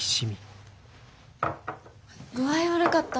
具合悪かった？